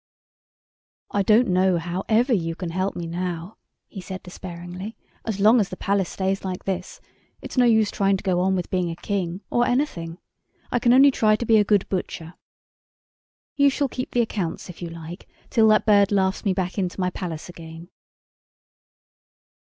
"I don't know how ever you can help me now," he said, despairingly; "as long as the Palace stays like this, it's no use trying to go on with being a king, or anything. I can only try to be a good butcher. You shall keep the accounts if you like, till that bird laughs me back into my Palace again."